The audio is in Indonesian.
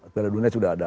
pilihan dunia sudah ada